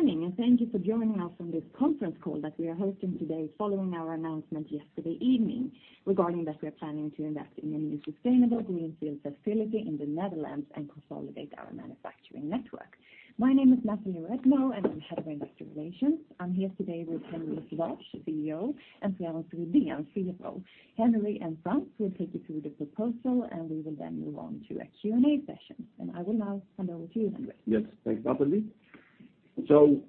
Good morning, and thank you for joining us on this conference call that we are hosting today following our announcement yesterday evening regarding that we are planning to invest in a new sustainable greenfield facility in the Netherlands and consolidate our manufacturing network. My name is Nathalie Redmo, and I'm head of investor relations. I'm here today with Henri de Sauvage-Nolting, CEO, and Frans Rydén, CFO. Henri de Sauvage-Nolting and Frans will take you through the proposal, and we will then move on to a Q&A session. I will now hand over to you, Henri de Sauvage-Nolting. Yes. Thanks, Nathalie.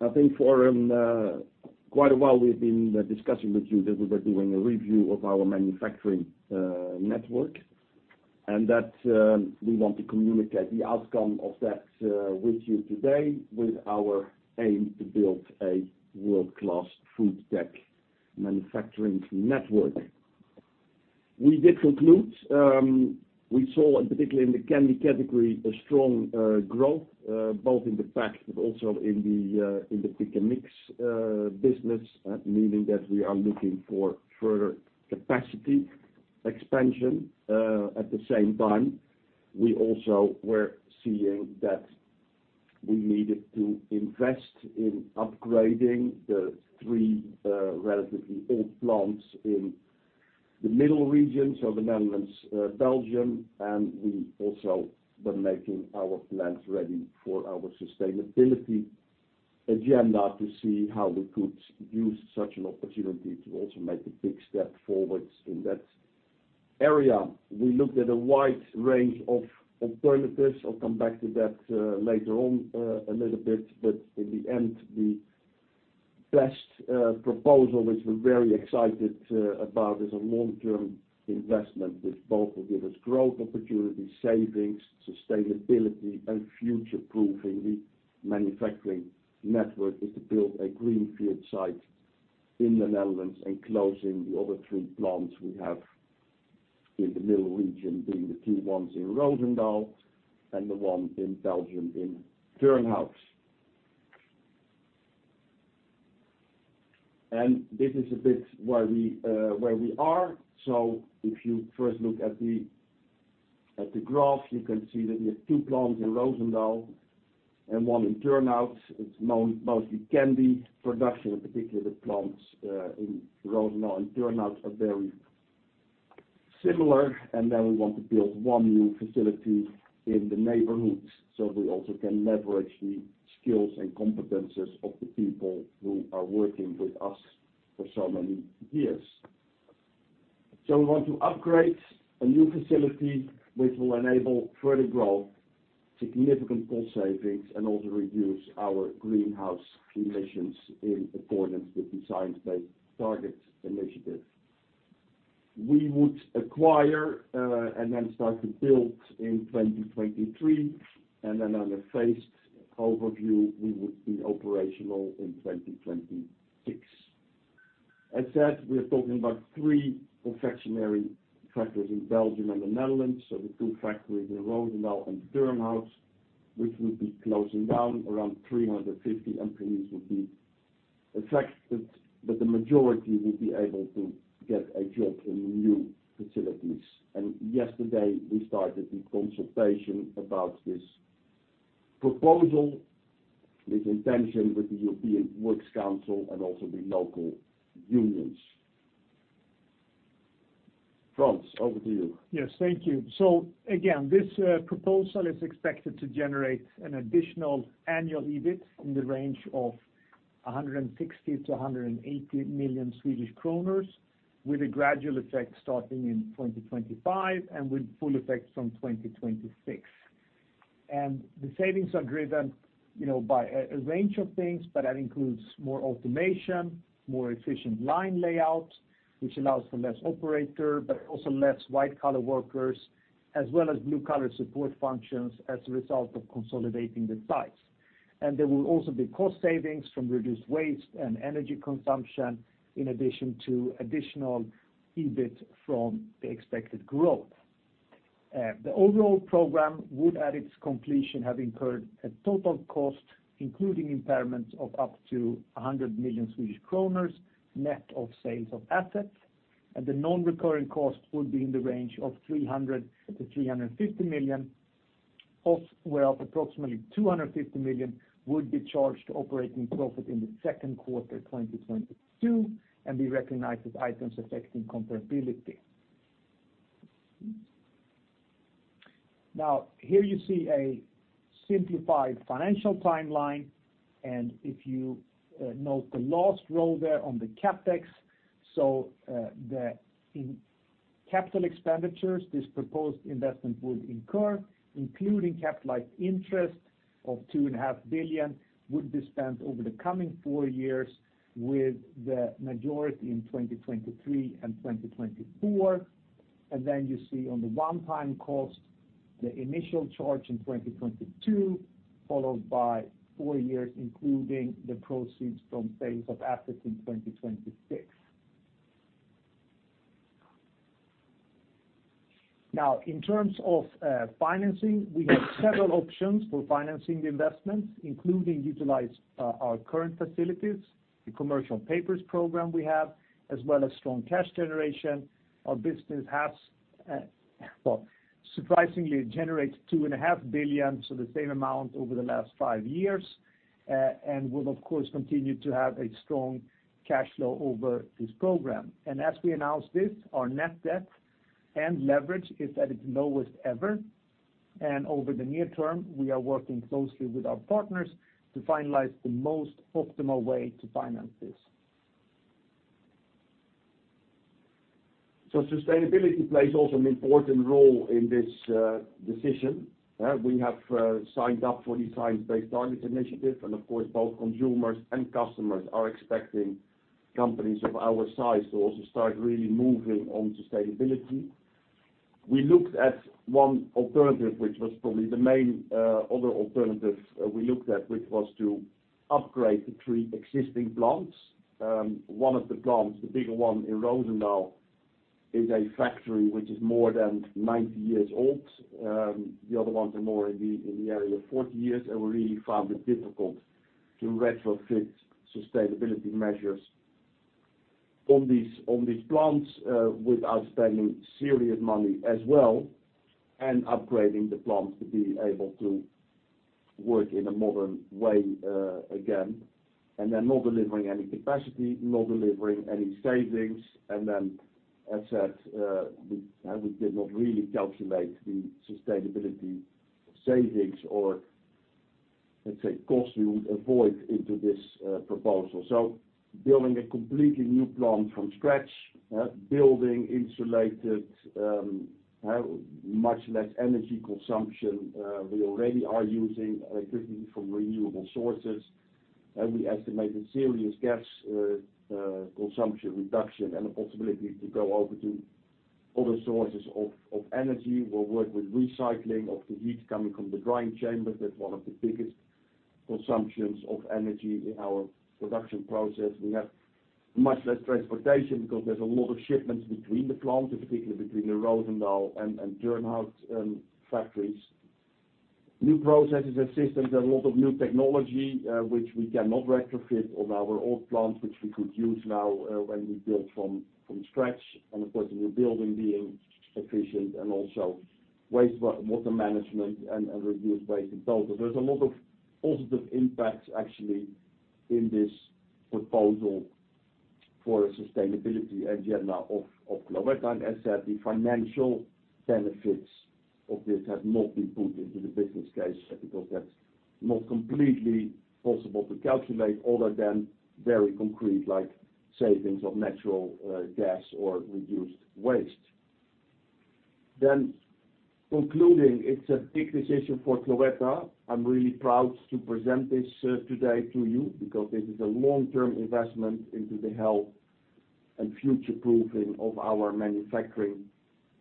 I think for quite a while we've been discussing with you that we were doing a review of our manufacturing network and that we want to communicate the outcome of that with you today with our aim to build a world-class food tech manufacturing network. We did conclude we saw, and particularly in the candy category, a strong growth both in the pack but also in the pick and mix business, meaning that we are looking for further capacity expansion. At the same time, we also were seeing that we needed to invest in upgrading the three relatively old plants in the middle regions of the Netherlands, Belgium, and we also were making our plants ready for our sustainability agenda to see how we could use such an opportunity to also make a big step forward in that area. We looked at a wide range of alternatives. I'll come back to that later on a little bit. In the end, the best proposal, which we're very excited about, is a long-term investment which both will give us growth opportunities, savings, sustainability, and future-proofing the manufacturing network, is to build a greenfield site in the Netherlands and closing the other three plants we have in the middle region, being the two ones in Roosendaal and the one in Belgium in Turnhout. This is a bit where we are. If you first look at the graph, you can see that we have two plants in Roosendaal and one in Turnhout. It's known mostly candy production, and particularly the plants in Roosendaal and Turnhout are very similar. We want to build one new facility in the neighborhood, so we also can leverage the skills and competencies of the people who are working with us for so many years. We want to upgrade a new facility which will enable further growth, significant cost savings, and also reduce our greenhouse emissions in accordance with the Science Based Targets initiative. We would acquire and then start to build in 2023, and then on a phased overview, we would be operational in 2026. As said, we're talking about three confectionery factories in Belgium and the Netherlands. The two factories in Roosendaal and Turnhout, which would be closing down. Around 350 employees will be affected, but the majority will be able to get a job in new facilities. Yesterday we started the consultation about this proposal with the European Works Council and also the local unions. Frans, over to you. Yes. Thank you. Again, this proposal is expected to generate an additional annual EBIT in the range of 160 million-180 million Swedish kronor with a gradual effect starting in 2025 and with full effect from 2026. The savings are driven, you know, by a range of things, but that includes more automation, more efficient line layout, which allows for less operator, but also less white-collar workers as well as blue-collar support functions as a result of consolidating the sites. There will also be cost savings from reduced waste and energy consumption in addition to additional EBIT from the expected growth. The overall program would, at its completion, have incurred a total cost, including impairment of up to 100 million Swedish kronor, net of sales of assets, and the non-recurring cost would be in the range of 300-350 million, of which approximately 250 million would be charged to operating profit in the second quarter 2022 and be recognized as items affecting comparability. Now, here you see a simplified financial timeline, and if you note the last row there on the CapEx. Capital expenditures this proposed investment would incur, including capitalized interest of 2.5 billion, would be spent over the coming four years with the majority in 2023 and 2024. You see on the one-time cost, the initial charge in 2022, followed by four years including the proceeds from sales of assets in 2026. Now, in terms of financing, we have several options for financing the investments, including utilizing our current facilities, the commercial paper program we have, as well as strong cash generation. Our business surprisingly generates 2.5 billion, so the same amount over the last five years, and will of course continue to have a strong cash flow over this program. As we announce this, our net debt and leverage is at its lowest ever. Over the near term, we are working closely with our partners to finalize the most optimal way to finance this. Sustainability plays also an important role in this decision. We have signed up for the Science-Based Targets initiative, and of course, both consumers and customers are expecting companies of our size to also start really moving on sustainability. We looked at one alternative, which was probably the main other alternative we looked at, which was to upgrade the three existing plants. One of the plants, the bigger one in Roosendaal, is a factory which is more than 90 years old. The other ones are more in the area of 40 years, and we really found it difficult to retrofit sustainability measures on these plants without spending serious money as well, and upgrading the plants to be able to work in a modern way again. They're not delivering any capacity, not delivering any savings, and then as said, we did not really calculate the sustainability savings or, let's say, costs we would avoid into this proposal. Building a completely new plant from scratch, building insulated much less energy consumption. We already are using electricity from renewable sources, and we estimate a serious gas consumption reduction and a possibility to go over to other sources of energy. We'll work with recycling of the heat coming from the drying chambers. That's one of the biggest consumptions of energy in our production process. We have much less transportation because there's a lot of shipments between the plants, particularly between the Roosendaal and Turnhout factories. New processes and systems, there's a lot of new technology, which we cannot retrofit on our old plants, which we could use now, when we build from scratch, and of course, the new building being efficient and also wastewater management and reduced waste involved. There's a lot of positive impacts actually in this proposal for a sustainability agenda of Cloetta. As said, the financial benefits of this have not been put into the business case because that's not completely possible to calculate other than very concrete like savings of natural gas or reduced waste. Concluding, it's a big decision for Cloetta. I'm really proud to present this today to you because this is a long-term investment into the health and future-proofing of our manufacturing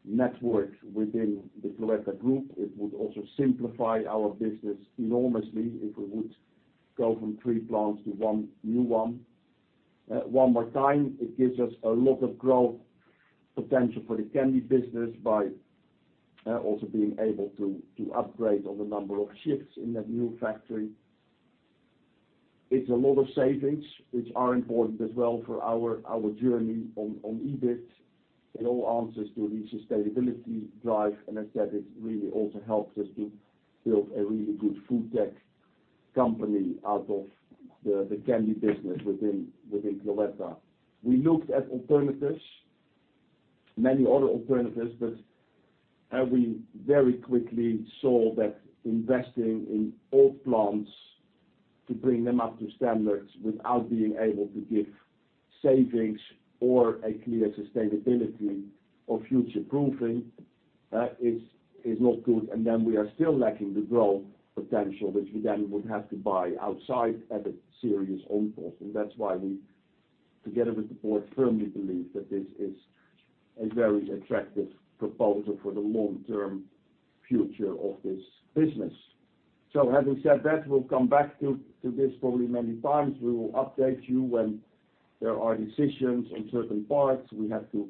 network within the Cloetta group. It would also simplify our business enormously if we would go from three plants to one new one. One more time, it gives us a lot of growth potential for the candy business by also being able to upgrade on the number of shifts in that new factory. It's a lot of savings which are important as well for our journey on EBIT. It all answers to the sustainability drive, and I said it really also helps us to build a really good food tech company out of the candy business within Cloetta. We looked at alternatives, many other alternatives, but we very quickly saw that investing in old plants to bring them up to standards without being able to give savings or a clear sustainability or future-proofing is not good. We are still lacking the growth potential, which we then would have to buy outside at a serious own cost. That's why we, together with the board, firmly believe that this is a very attractive proposal for the long-term future of this business. Having said that, we'll come back to this probably many times. We will update you when there are decisions on certain parts. We have to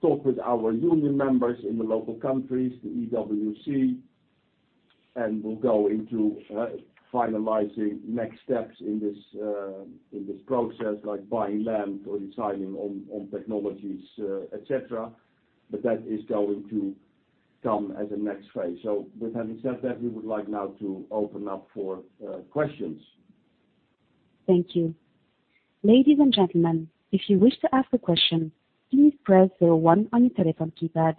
talk with our union members in the local countries, the EWC, and we'll go into finalizing next steps in this process, like buying land or deciding on technologies, et cetera. But that is going to come as a next phase. With having said that, we would like now to open up for questions. Thank you. Ladies and gentlemen, if you wish to ask a question, please press zero one on your telephone keypad.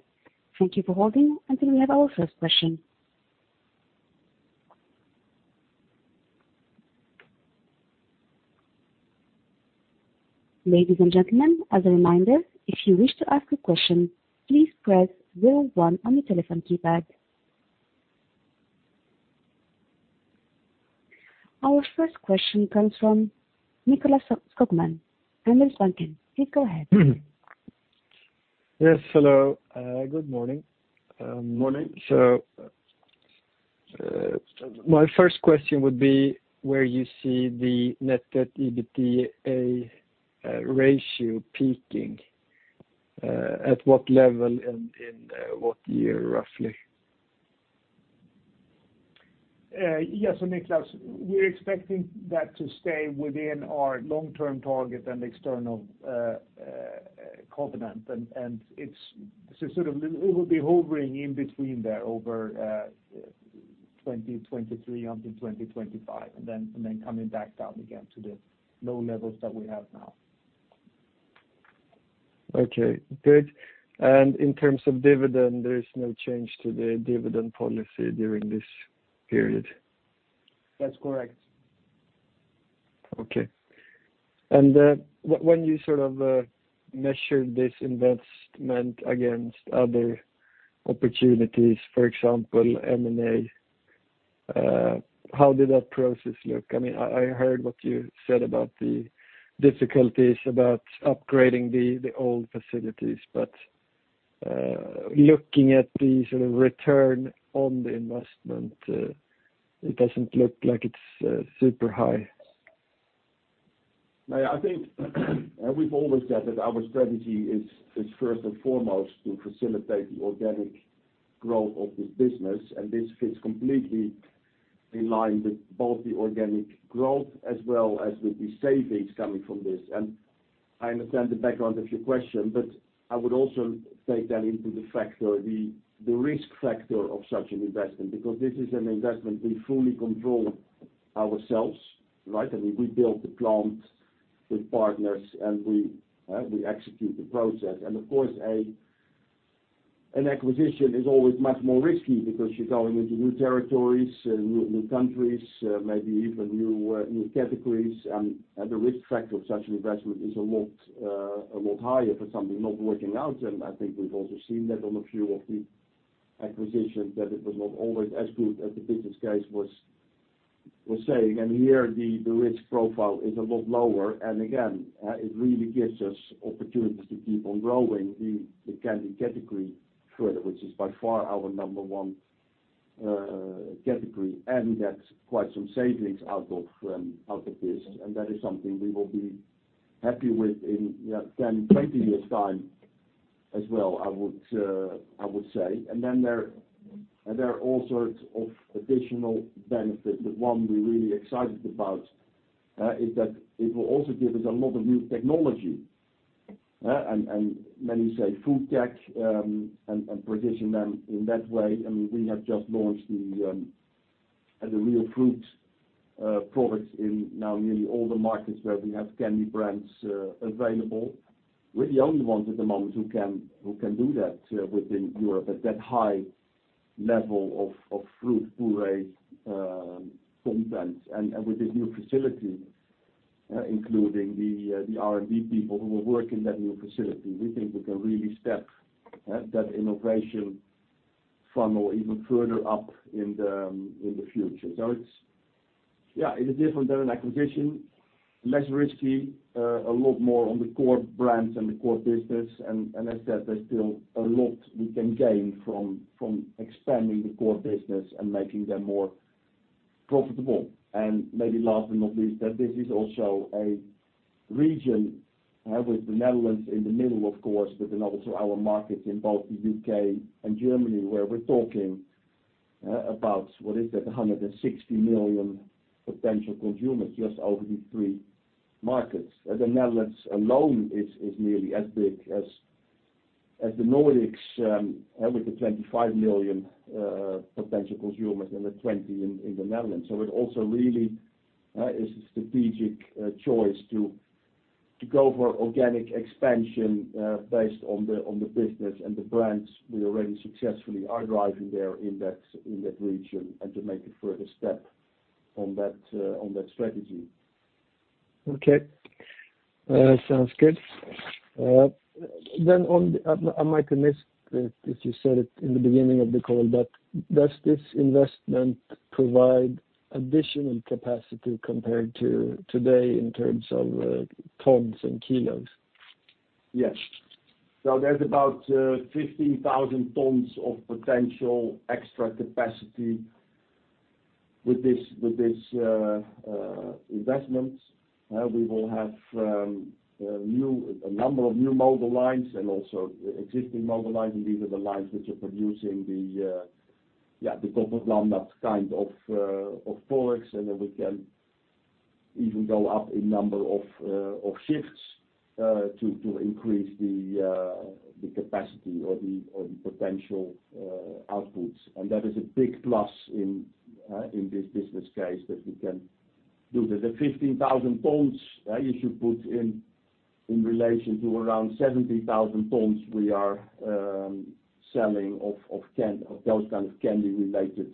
Thank you for holding until we have our first question. Ladies and gentlemen, as a reminder, if you wish to ask a question, please press zero one on your telephone keypad. Our first question comes from Nicklas Skogman, Handelsbanken. Please go ahead. Yes. Hello. Good morning. Morning My first question would be where you see the net debt EBITDA ratio peaking at what level in what year, roughly? Niklas, we're expecting that to stay within our long-term target and external covenant. It's sort of it will be hovering in between there over 2023 until 2025, and then coming back down again to the low levels that we have now. Okay, good. In terms of dividend, there is no change to the dividend policy during this period? That's correct. Okay. When you sort of measured this investment against other opportunities, for example, M&A, how did that process look? I mean, I heard what you said about the difficulties about upgrading the old facilities, but looking at the sort of return on the investment, it doesn't look like it's super high. Yeah, I think we've always said that our strategy is first and foremost to facilitate the organic growth of this business, and this fits completely in line with both the organic growth as well as with the savings coming from this. I understand the background of your question, but I would also take that into account, the risk factor of such an investment. Because this is an investment we fully control ourselves, right? I mean, we build the plant with partners, and we execute the process. The risk factor of such investment is a lot higher for something not working out. I think we've also seen that on a few of the acquisitions, that it was not always as good as the business case was saying. Here, the risk profile is a lot lower. Again, it really gives us opportunities to keep on growing the candy category further, which is by far our number one category. That's quite some savings out of this. That is something we will be happy with in 10-20 years' time as well, I would say. There are all sorts of additional benefit. The one we're really excited about is that it will also give us a lot of new technology, and many say food tech, and position them in that way. I mean, we have just launched the Real Fruit products in now nearly all the markets where we have candy brands available. We're the only ones at the moment who can do that within Europe at that high level of fruit puree content. With this new facility, including the R&D people who will work in that new facility, we think we can really step that innovation funnel even further up in the future. It is different than an acquisition, less risky, a lot more on the core brands and the core business. As said, there's still a lot we can gain from expanding the core business and making them more profitable. Maybe last but not least, that this is also a region with the Netherlands in the middle, of course, but then also our markets in both the U.K. and Germany, where we're talking about, what is it, 160 million potential consumers just over the three markets. The Netherlands alone is nearly as big as the Nordics with the 25 million potential consumers and the 20 in the Netherlands. It also really is a strategic choice to go for organic expansion based on the business and the brands we already successfully are driving there in that region, and to make a further step on that strategy. Okay. Sounds good. I might have missed it if you said it in the beginning of the call, but does this investment provide additional capacity compared to today in terms of tons and kilos? Yes. There's about 15,000 tons of potential extra capacity with this investment. We will have a number of new model lines and also existing model lines. These are the lines which are producing the Gott & Blandat kind of products. Then we can even go up in number of shifts to increase the capacity or the potential outputs. That is a big plus in this business case that we can do that. The 15,000 tons, if you put in relation to around 70,000 tons we are selling of those kind of candy related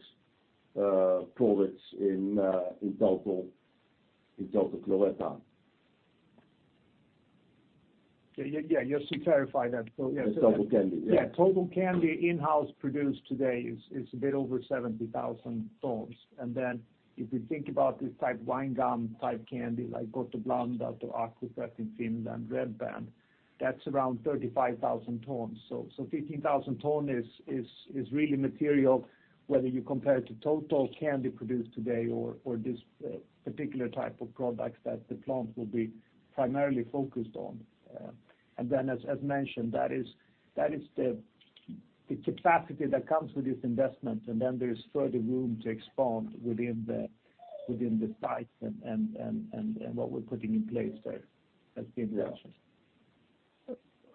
products in total Cloetta. Yeah, just to clarify that. Total candy. Yeah, total candy in-house produced today is a bit over 70,000 tons. If you think about this type wine gum type candy, like Gotebland or Aquafresh in Finland, Red Band, that's around 35,000 tons. Fifteen thousand tons is really material, whether you compare it to total candy produced today or this particular type of products that the plant will be primarily focused on. As mentioned, that is the capacity that comes with this investment, and then there's further room to expand within the site and what we're putting in place there as the investment.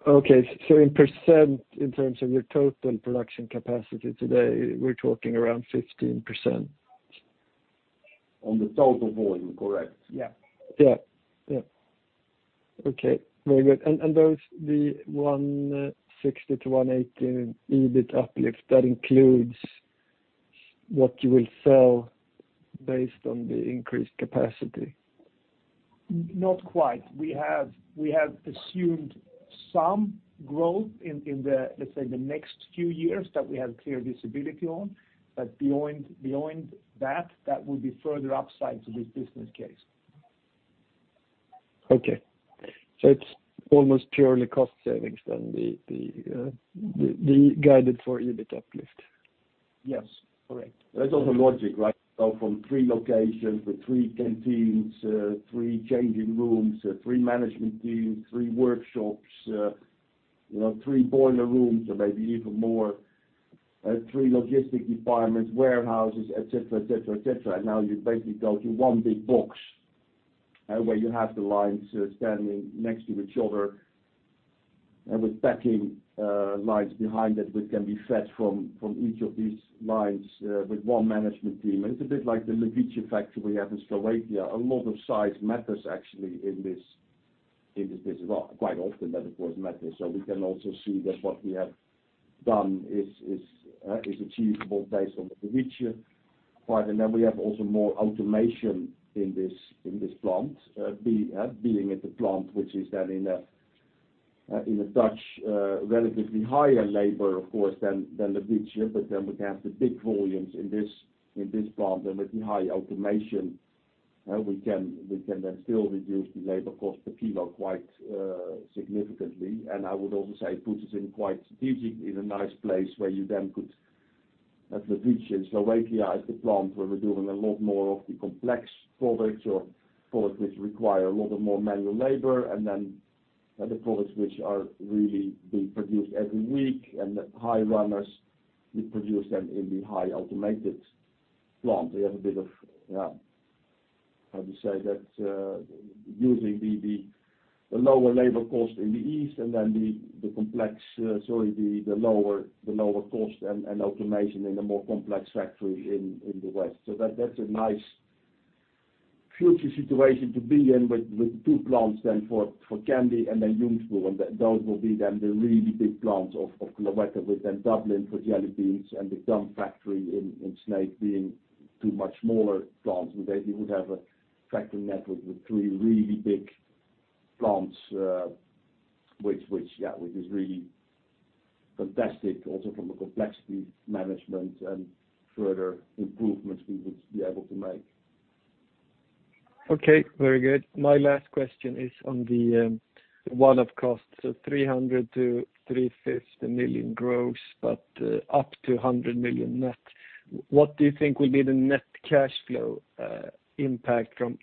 Okay. In percent, in terms of your total production capacity today, we're talking around 15%. On the total volume, correct. Yeah. Yeah. Okay, very good. Those—the 160-180 EBIT uplift, that includes what you will sell based on the increased capacity. Not quite. We have assumed some growth in the, let's say, the next few years that we have clear visibility on. Beyond that will be further upside to this business case. Okay. It's almost purely cost savings then, the guidance for EBIT uplift. Yes, correct. That's also logic, right? From three locations with three canteens, three changing rooms, three management teams, three workshops, you know, three boiler rooms, or maybe even more, three logistics departments, warehouses, et cetera, et cetera, et cetera. Now you basically go to one big box, where you have the lines standing next to each other and with packing lines behind it, which can be fed from each of these lines, with one management team. It's a bit like the Levice factory we have in Slovakia. A lot of size matters actually in this business. Well, quite often that of course matters. We can also see that what we have done is achievable based on the Levice part. Then we have also more automation in this plant. Being at the plant, which is then in a Dutch relatively higher labor, of course, than Levice. We have the big volumes in this plant and with the high automation, we can then still reduce the labor cost per kilo quite significantly. I would also say it puts us in quite strategically in a nice place where you then could at Levice, Slovakia is the plant where we're doing a lot more of the complex products or products which require a lot more manual labor, and then the products which are really being produced every week, and the high runners, we produce them in the high automated plant. We have a bit of how to say that, using the lower labor cost in the east and then the lower cost and automation in the more complex factories in the west. That’s a nice future situation to be in with two plants that for candy and then Ljungsbro. Those will be then the really big plants of Cloetta, with Dublin for jelly beans and the gum factory in Sneek being too much smaller plants. You would have a factory network with three really big plants, which is really fantastic also from a complexity management and further improvements we would be able to make. Okay, very good. My last question is on the one-off costs of 300 million-350 million gross, but up to 100 million net. What do you think will be the net cash flow impact from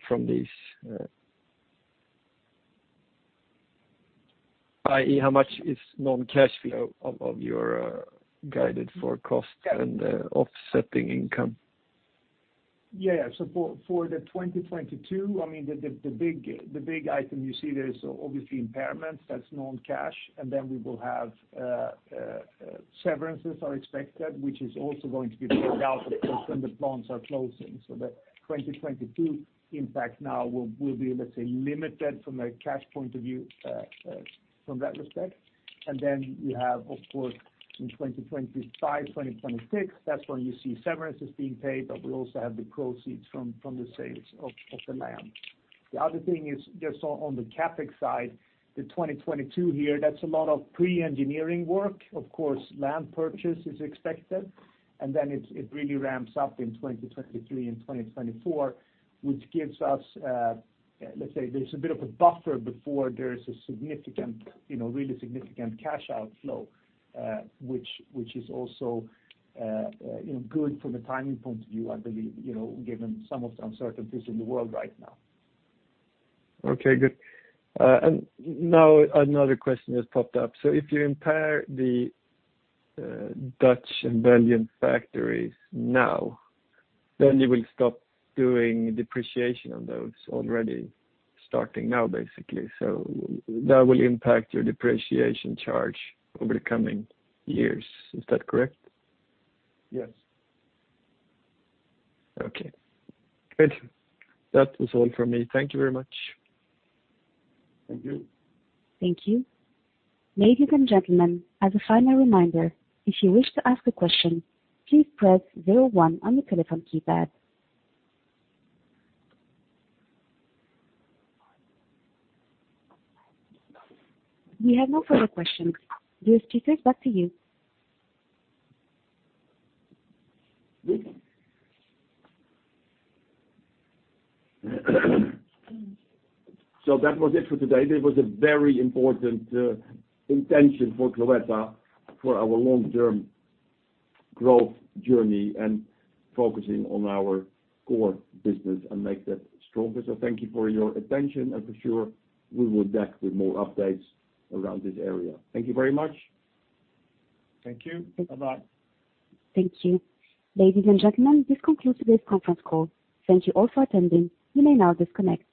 this? i.e., how much is non-cash flow of your guidance for costs and offsetting income? For 2022, I mean, the big item you see there is obviously impairments. That's non-cash. We will have severances, which are expected, which is also going to be rolled out, of course, when the plants are closing. The 2022 impact now will be, let's say, limited from a cash point of view, in that respect. You have, of course, in 2025-2026. That's when you see severances being paid, but we'll also have the proceeds from the sales of the land. The other thing is just on the CapEx side. The 2022 here, that's a lot of pre-engineering work. Of course, land purchase is expected, and then it really ramps up in 2023 and 2024, which gives us, let's say there's a bit of a buffer before there is a significant, you know, really significant cash outflow, which is also, you know, good from a timing point of view, I believe, you know, given some of the uncertainties in the world right now. Okay, good. Now another question has popped up. If you impair the Dutch and Belgian factories now, then you will stop doing depreciation on those already starting now, basically. That will impact your depreciation charge over the coming years. Is that correct? Yes. Okay, good. That was all for me. Thank you very much. Thank you. Thank you. Ladies and gentlemen, as a final reminder, if you wish to ask a question, please press zero one on your telephone keypad. We have no further questions. Henri de Sauvage-Nolting, back to you. That was it for today. It was a very important intention for Cloetta for our long-term growth journey and focusing on our core business and make that stronger. Thank you for your attention, and for sure, we will be back with more updates around this area. Thank you very much. Thank you. Bye-bye. Thank you. Ladies and gentlemen, this concludes today's conference call. Thank you all for attending. You may now disconnect.